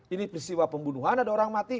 ini peristiwa pembunuhan ada orang mati